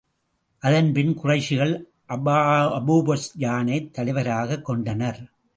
அதன்பின் குறைஷிகள் அபூஸூப்யானைத் தலைவராக்கிக் கொண்டனர்.